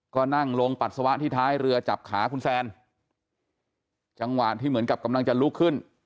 ก็นั่งลงปัสสาวะที่ท้ายเรือจับขาคุณแซนจังหวะที่เหมือนกับกำลังจะลุกขึ้น